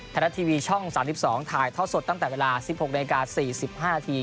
ไทยรัฐทีวีช่อง๓๒ถ่ายท่อสดตั้งแต่เวลา๑๖นาที๔๕นาที